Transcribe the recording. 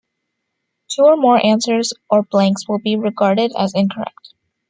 Two or more answers or blanks will be regarded as incorrect.